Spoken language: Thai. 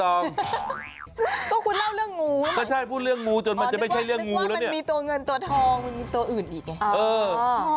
ก็คุณเล่าเรื่องงูเหมือนกันอ๋อนึกว่ามันมีตัวเงินตัวทองมันมีตัวอื่นอีกไง